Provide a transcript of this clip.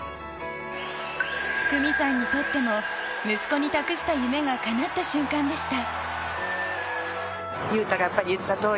久美さんにとっても息子に託した夢がかなった瞬間でした。